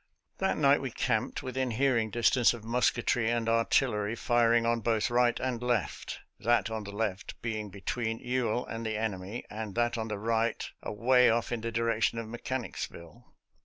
»•» That night we camped within hearing distance of musketry and artillery firing on both right and left; that on the left being between Ewell and the eneiiy, and that on the right, away off in the direction of Mechanicsville.